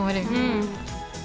うん。